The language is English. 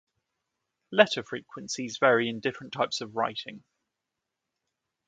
Letter frequencies vary in different types of writing.